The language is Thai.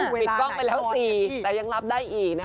ปิดกล้องไปแล้ว๔แต่ยังรับได้อีกนะคะ